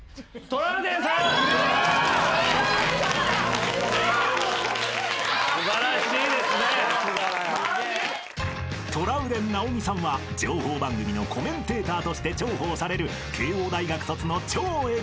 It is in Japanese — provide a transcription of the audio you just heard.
［トラウデン直美さんは情報番組のコメンテーターとして重宝される慶應大学卒の超エリート］